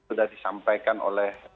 sudah disampaikan oleh